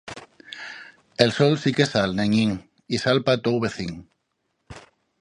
El sol sí que sal, neñín, y sal pa tou vecín.